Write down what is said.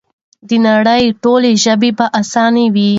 د نړۍ ټولې ژبې به اسانې وي؛